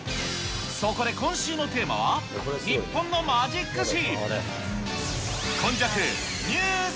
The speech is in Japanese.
そこで今週のテーマは、日本のマジック史。